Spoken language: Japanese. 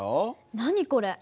何これ？